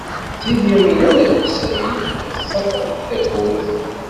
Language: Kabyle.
Setti Lyamina n At Ḥsayen tella tettaḍḍaf-d takurt.